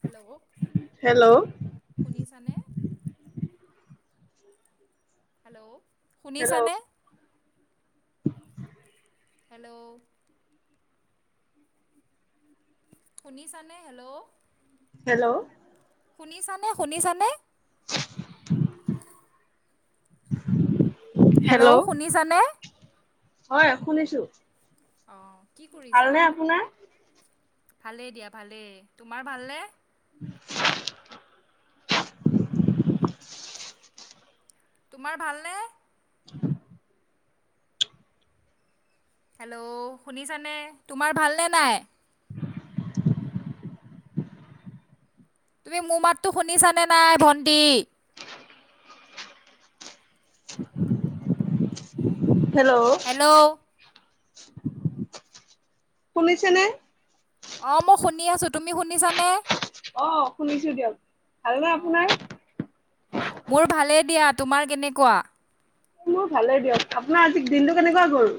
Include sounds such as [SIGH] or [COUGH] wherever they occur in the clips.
Hello hello শুনিছানে? Hello hello শুনিছানে? Hello শুনিছানে হেল্ল'। হেল্ল' শুনিছানে শুনিছানে? [INAUDIBLE] হেল্ল' হয় শুনিছো। অ কি কৰিছা? ভালনে আপোনাৰ ভালেই দিয়া, ভালেই। তোমাৰ ভালনে? [INAUDIBLE] তোমাৰ ভালনে? [INAUDIBLE] হেল্ল' শুনিছানে তোমাৰ ভালনে নাই? [INAUDIBLE] তুমি মোৰ মাততো শুনিছানে নাই ভণ্টি? হেল্ল'। শুনিছেনে? অ মই শুনি আছো। তুমি শুনিছানে? অ', শুনিছোঁ দিয়ক, ভাল নে আপোনাৰ? মোৰ ভালেই দিয়া, তোমাৰ কেনেকুৱা? মোৰ ভালেই দিয়ক, আপোনাৰ আজি দিনটো কেনেকুৱা গ'ল?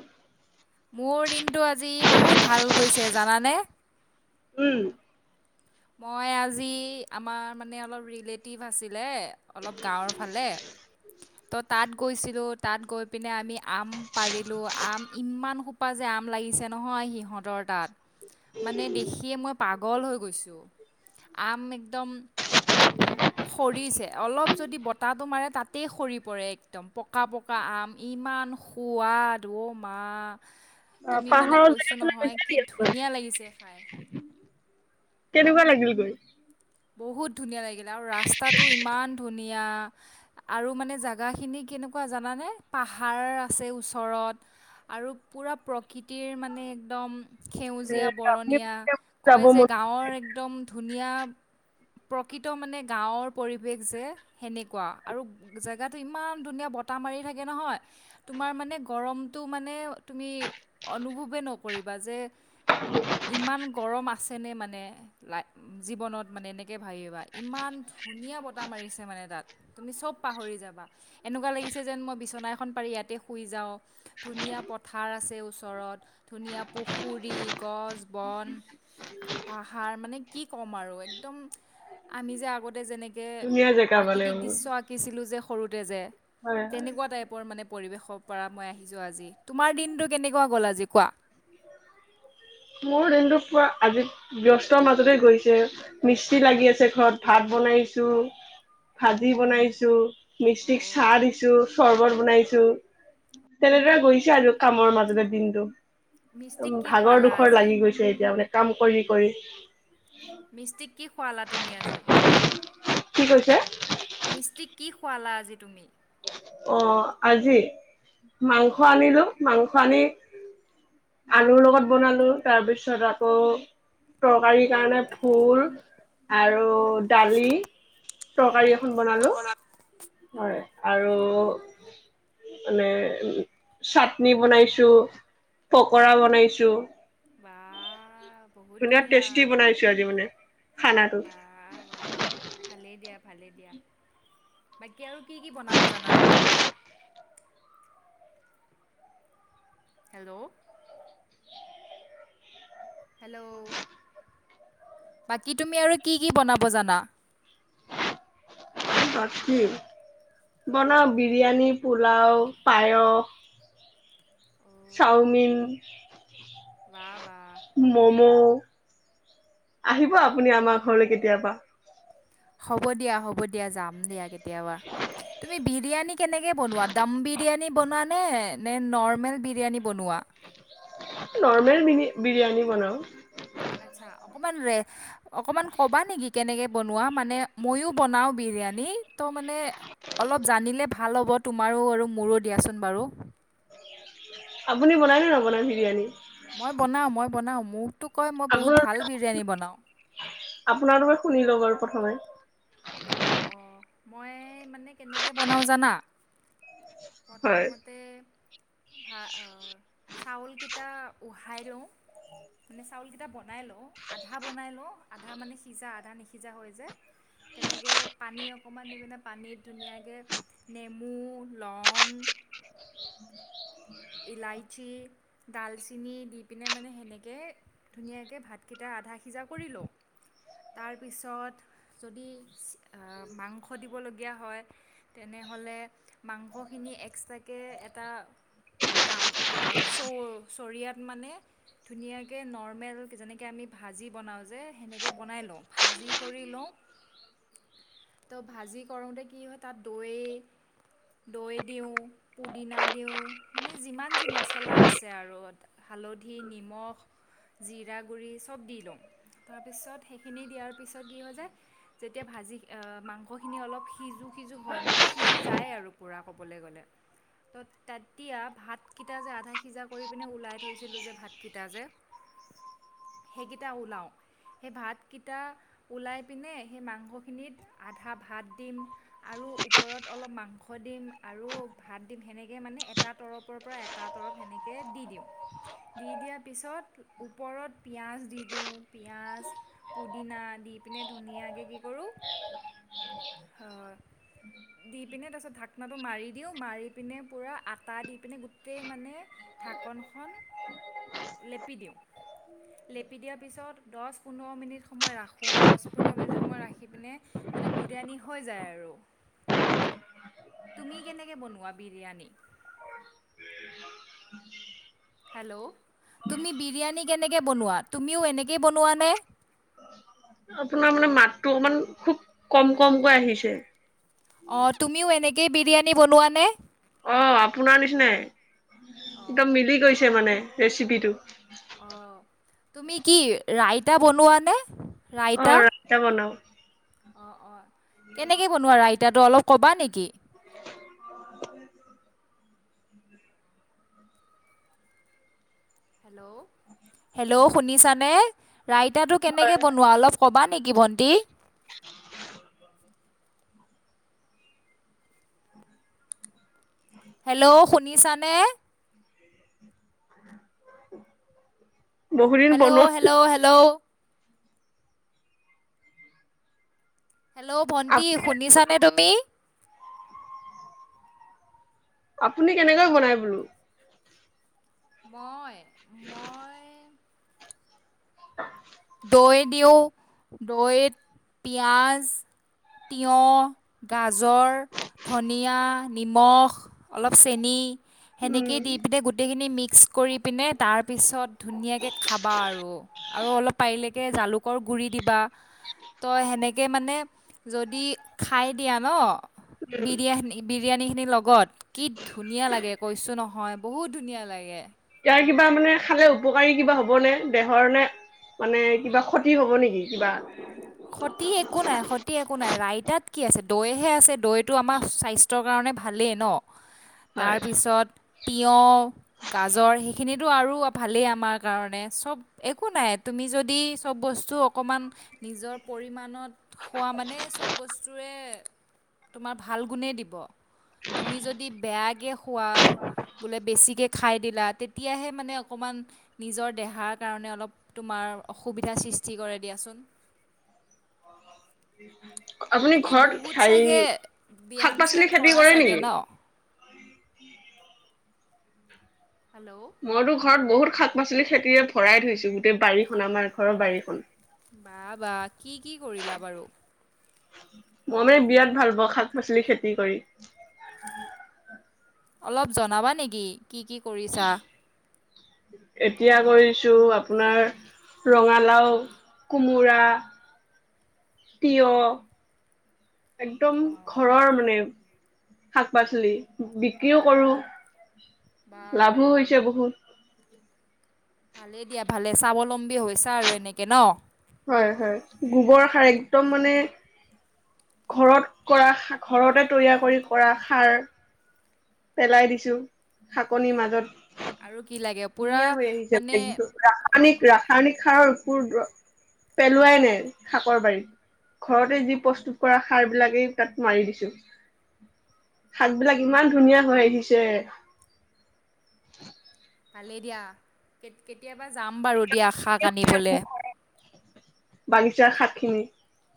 মোৰ দিনটো আজি বহুত ভাল গৈছে জানানে? উম। মই আজি আমাৰ মানে অলপ ৰিলেটিভ আছিলে, অলপ গাঁৱৰ ফালে [INAUDIBLE] ত' তাত গৈছিলোঁ, তাত গৈ পিনে আমি আম পাৰিলোঁ, আম ইমান সোপা যে আম আম লাগিছে নহয় সিহঁতৰ তাত, মানে দেখিয়ে মই পাগল হৈ গৈছোঁ। আম একদম সৰিছে, অলপ যদি বতাহটো মাৰে তাতেই সৰি পৰে একদম, পকা পক কা আম, ইমান সোৱাদ, অ' মা অ তুমি মানে পাহাৰৰ জেগা কৈছোঁ ফালে নহয়, গৈছে কি নেকি আপুনি ধুনীয়া লাগিছে খাই। কেনেকুৱা লাগিল গৈ? বহুত ধুনীয়া লাগিলে আৰু ৰাস্তাটো ইমান ধুনীয়া। আৰু মানে জাগাখিনি কেনেকুৱা জানানে, পাহাৰ আছে ওচৰত আৰু পুৰা প্ৰকৃতিৰ মানে একদম এ সেউজীয়া আপুনি বৰণীয়া, যাব কয় যে মন গাঁৱৰ একদম ধুনীয়া প্ৰকৃত মানে গাঁৱৰ পৰিৱেশ যে, সেনেকুৱা, আৰু জেগাটো ইমান ধুনীয়া, বতাহ মাৰি থাকে নহয়। তোমাৰ মানে গৰমটো মানে তুমি অনুভৱে নকৰিবা যে ইমান গৰম আছে নে মানে লাই-জীৱনত। মানে এনেকৈ ভাবিবা, ইমান ধুনীয়া বতাহ মাৰিছে মানে তাত, তুমি চব পাহৰি যাবা। এনেকুৱা লাগিছে যেন মই বিচনা এখন পাৰি ইয়াতে শুই যাওঁ। ধুনীয়া পথাৰ আছে ওচৰত ধুনীয়া পুখুৰী, গছ, বন, পাহাৰ মানে কি ক'ম আৰু এক দম আমি যে আগতে যেনেকে ধুনীয়া জেগা বুলে, উম। কিছিলোঁ যে সৰুতে যে, হয় তেনেকুৱা টাইপৰ মানে পৰিৱেশৰ পৰা মই আহিছোঁ আজি, তোমাৰ দিনটো কেনেকুৱা গ'ল আজি কোৱা? মোৰ দিনটো পুৰা আজি ব্যস্তৰ মাজতে গৈছে, মিস্ত্ৰী লাগি আছে ঘৰত, ভাত বনাইছোঁ ভাজি বনাইছোঁ, মিস্ত্ৰীক চাহ দিছোঁ, চৰ্বত বনাইছোঁ তেনেদৰে গৈছে আৰু কামৰ মাজতে দিনটো। ত' মোৰ ভাগৰ-দোখৰ লাগি গৈছে এতিয়া মানে কাম কৰি কৰি। মিস্ত্ৰীক কি খুৱালা তুমি আজি? কি কৈছে মিস্ত্ৰিক কি খুৱালা আজি তুমি? অ', আজি, মাংস আনিলোঁ, মাংস আনি আলুৰ লগত বনালোঁ, তাৰপিছত আকৌ তৰকাৰীৰ কাৰণে ফুল আৰু দালি, তৰকাৰী এখন বনালোঁ, হয়, আৰু ত' মানে উ-চাটনি বনাইছোঁ, পকৰা বনাইছোঁ বা ধুনীয়া টেষ্টি বনাইছোঁ আজি মানে, খানাটো। ভালেই দিয়া ভালেই দিয়া, বাকী আৰু কি কি বনাব জানা তুমি? হেল্ল? হেল্ল, বাকী তুমি আৰু কি কি বনাব জানা? বাকী বনাও বিৰিয়ানী, পোলাও, পায়স চাওমিন। বাহ বাহ ভালেই মম' দেখোন। আহিব আপুনি আমাৰ ঘৰলৈ কেতিয়াবা। হ'ব দিয়া হ'ব দিয়া যাম দিয়া কেতিয়াবা, তুমি বি বিৰিয়ানী কেনেকে বনোৱা? দম বিৰিয়ানী বনোৱা নে নে নৰ্মেল বিৰিয়ানী বনোৱা? নৰ্মেল বিৰি বিৰিয়ানী বনাও। আচ্ছা অকমান ৰে অকমান কবা নেকি কেনেকে বনোৱা? মানে ময়ো বনাওঁ বিৰিয়ানী ত মানে অলপ জানিলে ভাল হ'ব তোমাৰো আৰু মোৰো দিয়াচোন বাৰু। আপুনি বনায় নে নবনায় বিৰিয়ানী? মই বনাওঁ মই বনাওঁ, মোকতো কয় মই বহুত আপোনাৰ ভাল বিৰিয়ানী বনাওঁ। আপোনাৰ তোকে শুনি লওঁ বাৰু প্ৰথমে। অঁ অঁ মই মানে কেনেকে বনাওঁ জানা হয় প্ৰথমতে ভা অ চাউলকেইটা উহাই লওঁ মানে চাউলকেইটা বনাই লওঁ, আধা বনাই লওঁ আধা মানে সিজা আধা নিসিজা হয় যে। তেনেকে পানী অকণমান দি পিনে পানীত ধুনীয়াকে নেমু, লং ইলাইচি, ডালচিনি দি পিনে মানে সেনেকে ধুনীয়াকে ভাতকেইটা আধা সিজা কৰি লওঁ, তাৰপিছত যদি আহ মাংস দিবলগীয়া হয় তেনেহ'লে মাংসখিনি এক্সট্ৰাকে এটা কাম আহ চৌ চৰিয়াত মানে ধুনীয়াকে নৰ্মেল যেনেকে আমি ভাজি বনাওঁ যে সেনেকে বনাই লওঁ, ভাজি কৰি লওঁ ত ভাজি কৰোতে কি হয় তাত দৈ দৈ দিওঁ, পুদিনা দিওঁ মানে যিমান যি মছলা আছে আৰু হালধি, নিমখ জিৰা গুৰি চব দি লওঁ, তাৰপিছত সেইখিনি দিয়াৰ পিছত কি হয় যায় যেতিয়া ভাজি অ মাংসখিনি অলপ সিজো সিজো হয় মানে সিজি যায় আৰু পুৰা ক'বলৈ গ'লে ত তাত তিয়া ভাতকেইটা যে আধা সিজা কৰি পিনে ওলাই থৈছিলোঁ যে ভাতকেইটা যে সেইকেইটা ওলাওঁ। সেই ভাতকেইটা ওলাই পিনে সেই মাংসখিনিত আধা ভাত দিম আৰু ওপৰত অলপ মাংস দিম, আৰু ভাত দিম সেনেকে মানে এ এটা তৰপৰ পৰা এটা তৰপ সেনেকে দি দিওঁ। দি দিয়াৰ পিছত ওপৰত পিঁয়াজ দি দিওঁ, পিঁয়াজ পুদিনা দি পিনে ধুনীয়াকে কি কৰোঁ হয়, দি পিনে তাৰপিছত ঢাকনাটো মাৰি দিওঁ, মাৰি পিনে পোৰা আ তা‌ দি পিনে গোটেই মানে ঢাকনখন লেপি দিওঁ। লেপি দিয়াৰ পিছত দছ পোন্ধৰ মিনিট সময় ৰাখোঁ দছ পোন্ধৰ মিনিট সময় ৰাখি পিনে মানে বিৰিয়ানী হৈ যায় আৰু। তুমি কেনেকে বনোৱা বিৰিয়ানী? হেল্ল'। তুমি বিৰিয়ানী কেনেকৈ বনোৱা, তুমিও এনেকৈ বনোৱানে? আপোনাৰ মানে মাতটো অকমান খুব কম- কমকৈ আহিছে। অ, তুমিও এনেকেই বিৰিয়ানী বনোৱা নে? অ, আপোনাৰ নিচিনাই একদম মিলি গৈছে মানে ৰেচিপিটো। তুমি কি ৰাইতা বনোৱানে, ৰাইতা? ৰাইতা‌ বনাও। অ- অ। কেনেকে বনোৱা ৰইতাটো, অলপ ক'বা নেকি? অ। হেল্ল', হেল্ল', শুনিছানে ৰাইতাটো কেনেকে হয় বনোৱা, অলপ ক'বা নেকি ভণ্টি? হেল্ল', শুনিছা নে? বহুদিন হেল্ল', হেল্ল, বনোৱা ' হেল্ল'। হেল্ল', ভণ্টি আপুনি শুনিছানে তুমি? আপুনি কেনেকৈ বনাই বোলো? মই- মই [INAUDIBLE] দৈ দিওঁ দৈত পিঁয়াজ, তিঁয়হ, গাজৰ ধনিয়া, নিমখ অলপ, চেনি উম সেনেকেই দি পিনে গোটেইখিনি মিক্স কৰি পিনে তাৰপিছত ধুনীয়াকৈ খাবা আৰু। আৰু অলপ পাৰিলেকে জালুকৰ গুৰি দিবা। ত, সেনেকে মানে যদি খাই দিয়া ন' বিৰিয়ানী- বিৰিয়ানীখিনিৰ লগত কি ধুনীয়া লাগে কৈছো নহয়, বহুত ধুনীয়া লাগে। ইয়াৰ কিবা মানে খালে উপকাৰী কিবা হবনে, দেহৰ নে মানে কিবা ক্ষতি হ'ব নেকি কিবা? ক্ষতি একো নাই। ক্ষতি একো নাই, ৰাইতাত কি আছে, দৈহে আছে, দৈ টো আমাৰ স্বাস্থ্য ৰ কাৰণে ভালেই ন। হয় তাৰপিছত তিয়ঁহ গাজৰ, সেইখিনিটো আৰু ভালেই আমাৰ কাৰণে চব একো নাই, তুমি যদি চব বস্তু অকমান নিজৰ পৰিমাণত খোৱা মানে চব বস্তুৱে তোমাৰ ভাল গুণেই দিব। তুমি যদি বেয়াকৈ খোৱা, বোলে বেছিকৈ খাই দিলা। তেতিয়াহে মানে অকণমান নিজৰ দেহাৰ কাৰণে অলপ তোমাৰ অসুবিধাৰ সৃষ্টি কৰে দিয়াচোন। আপুনি মানে ঘৰত হেৰি শাক- পাচলি খেতি কৰে নেকি? হেল্ল'। মইতো ঘৰত বহুত শাক- পাচলি খেতিৰে ভৰাই থৈছো। গোটেই বাৰীখন আমাৰ ঘৰৰ বাৰীখন। বাঃ বাঃ, কি কি কৰিলা বাৰু? মই মানে বিৰাট ভাল পাওঁ, শাক- পাচলি খেতি কৰি। অলপ জনাবা নেকি কি কি কৰিছা? এতিয়া কৰিছোঁ, আপোনাৰ ৰঙালাও, কোমোৰা, তিয়হ, একদম ঘৰৰ মানে। শাক পাচলি বিক্ৰীও কৰোঁ লাভো হৈছে বহুত। ভালেই দিয়া ভালে স্বাৱলম্বী হৈছা আৰু এনেকে নহ। হয়, হয় গোবৰ সাৰ একদম মানে। ঘৰত কৰা সা ঘৰতে তৈয়াৰ কৰি কৰা সাৰ। পেলাই দিছোঁ শাকনিৰ মাজত। আৰু কি লাগে। ধুনীয়া হৈ আহিছে একদম পুৰা ৰাসায়নিক, ৰাসায়নিক সাৰৰ উপদ্যব পেলোৱাই নাই শাকৰ বাৰীত। ঘৰতে যি প্ৰস্তুত কৰা সাৰ বিলাকেই তাত মাৰি দিছোঁ। শাকবিলাক ইমান ধুনীয়া হৈ আহিছে। ভালে দিয়া কেতিয়াবা যাম বাৰু দিয়া শাক আনিবলে। বাগিচাৰ শাকখিনি।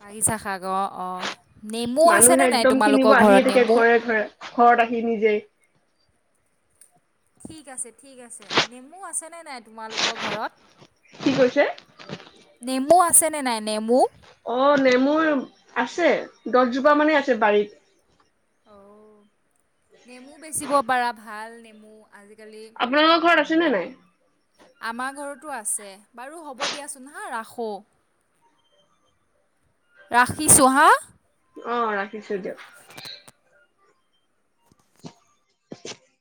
বাগিচা শাক অ', অ' নেমু মানুহে আছেনে নাই একদম কিনিব তোমালোকৰ আহিয়ে ঘৰত থাকে নেমু? ঘৰে ঘৰে ঘৰত আহি নিজেই। ঠিক আছে ঠিক আছে নেমু আছেনে নাই তোমালোকৰ ঘৰত? কি কৈছে? নেমু আছেনে নাই নেমু? অ' নেমুৰ আছে দহজোপা মানেই আছে বাৰীত। অ' নেমু বেচিব পাৰা ভাল নেমু আজিকালি। আপোনালোকৰ ঘৰত আছেনে নাই? আমাৰ ঘৰতো আছে বাৰু হ'ব দিয়াচোন হা ৰাখোঁ। ৰাখিছোঁ হা। অ ৰাখিছোঁ দিয়ক।